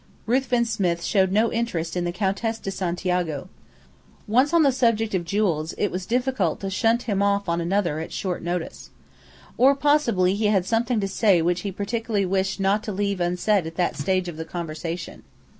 Ruthven Smith showed no interest in the Countess de Santiago. Once on the subject of jewels, it was difficult to shunt him off on another at short notice. Or possibly he had something to say which he particularly wished not to leave unsaid at that stage of the conversation.